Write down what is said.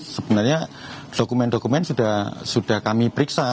sebenarnya dokumen dokumen sudah kami periksa